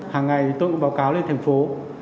hàng ngày tôi cũng báo cáo lên thành phố